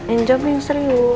ini kerja yang serius